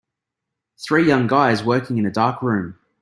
three young guys working in a dark room.